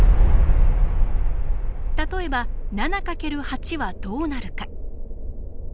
例えば７×８はどうなるか。